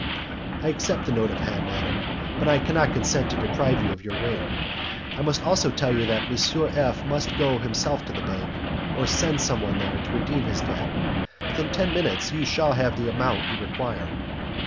"I accept the note of hand, madam, but I cannot consent to deprive you of your ring. I must also tell you that M. F must go himself to the bank, or send some one there, to redeem his debt. Within ten minutes you shall have the amount you require."